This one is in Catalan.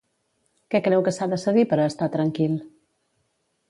Què creu que s'ha de cedir per a estar tranquil?